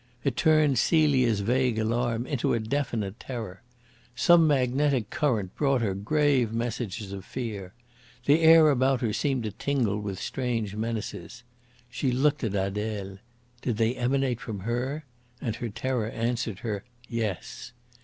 It turned Celia's vague alarm into a definite terror. Some magnetic current brought her grave messages of fear. The air about her seemed to tingle with strange menaces. She looked at Adele. Did they emanate from her? And her terror answered her "Yes."